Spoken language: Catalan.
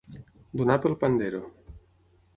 Donar pel pandero.